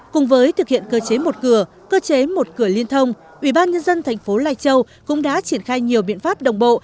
cùng với thực hiện cơ chế một cửa cơ chế một cửa liên thông ủy ban nhân dân thành phố lai châu cũng đã triển khai nhiều biện pháp đồng bộ